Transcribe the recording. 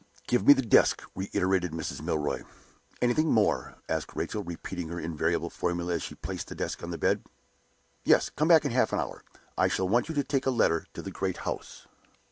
"Give me the desk," reiterated Mrs. Milroy. "Anything more?" asked Rachel, repeating her invariable formula as she placed the desk on the bed. "Yes. Come back in half an hour. I shall want you to take a letter to the great house."